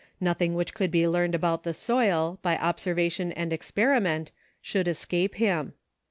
Nothing which could be learned about the soil, by obser vation and experiment, should escape him.